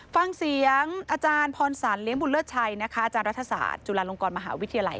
ฟังเสียงอาจารย์พรสันเลี้ยงบุญเลิศชัยนะคะอาจารย์รัฐศาสตร์จุฬาลงกรมหาวิทยาลัย